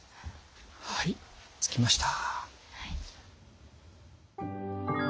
はい着きました。